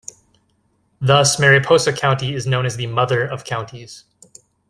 Thus, Mariposa County is known as the "Mother of Counties".